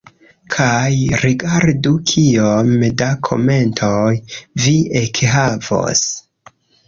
Kaj rigardu kiom da komentoj vi ekhavos.